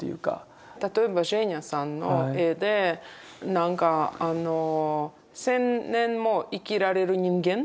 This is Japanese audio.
例えばジェーニャさんの絵でなんかあの１０００年も生きられる人間。